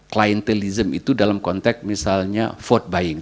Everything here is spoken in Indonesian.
clientelism itu dalam konteks misalnya vote buying